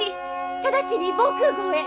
直ちに防空ごうへ！